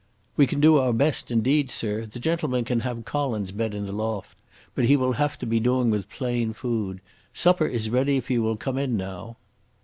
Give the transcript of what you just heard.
"We can do our best, indeed, sir. The gentleman can have Colin's bed in the loft, but he will haf to be doing with plain food. Supper is ready if you will come in now."